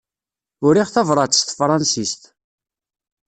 Uriɣ tabrat s tefransist.